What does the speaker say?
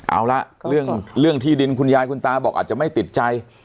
เอาละเรื่องที่ดินคุณยายคุณตาบอกอาจจะไม่ติดใจ